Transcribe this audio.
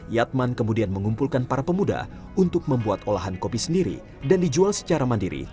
yatman kemudian mengumpulkan para pemuda untuk membuat olahan kopi sendiri dan dijual secara mandiri